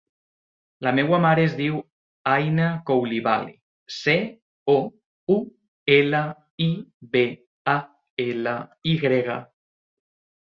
La meva mare es diu Aina Coulibaly: ce, o, u, ela, i, be, a, ela, i grega.